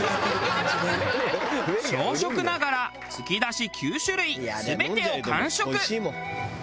小食ながらつきだし９種類全てを完食。